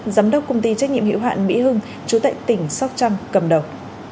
giám đốc công ty trách nhiệm hiệu hạn mỹ hưng chú tại tỉnh sóc trăng cầm đầu